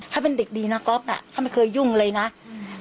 เขาเป็นเด็กดีนะก๊อฟน่ะเขาไม่เคยยุ่งเลยนะอืม